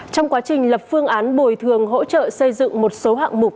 trong quá trình lập phương án bồi thường hỗ trợ xây dựng một số hạng mục